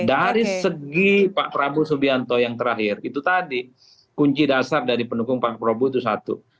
dari segi pak prabowo subianto yang terakhir itu tadi kunci dasar dari pendukung pak prabowo itu satu